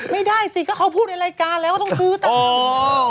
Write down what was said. ไม่ได้สิก็เขาพูดในรายการแล้วว่าต้องซื้อตาม